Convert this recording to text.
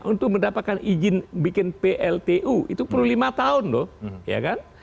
untuk mendapatkan izin bikin pltu itu perlu lima tahun loh ya kan